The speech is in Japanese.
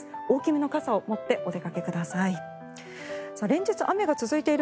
大きめの傘を持ってお出かけください。